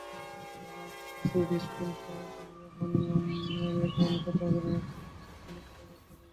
সাবেক Swedish tennis তারকা Johan রিয়র্কমানের তত্ত্বাবধানে ক্লে-কোর্টের প্রস্তুতি চলছে মারের।